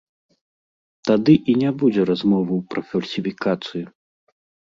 Тады і не будзе размоваў пра фальсіфікацыю.